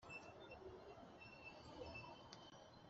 ibisiga bimukembere aho!”